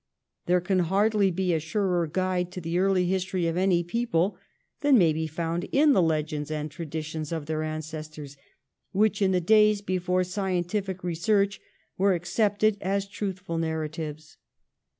There can hardly be a surer guide to the early history of any people than may be found in the legends and traditions of their ancestors which, in the days before scientific research, were accepted as truthful narratives.